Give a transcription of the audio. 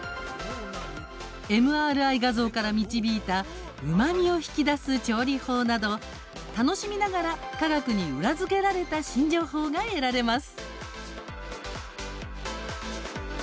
ＭＲＩ画像から導いたうまみを引き出す調理法など楽しみながら科学に裏付けられた新情報が得られます。